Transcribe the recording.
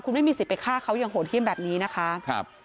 คุณไม่มีสิทธิ์ไปฆ่าเขาอย่างโหดเยี่ยมแบบนี้นะคะครับ